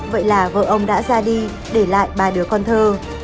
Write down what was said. vậy là vợ ông đã ra đi để lại ba đứa con thơ